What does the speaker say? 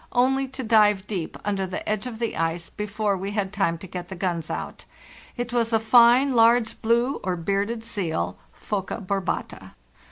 only to dive deep under the ¢ lge of the ice before we had time to get the guns ou. It was a fine, large blue or bearded seal (Phoca barbata).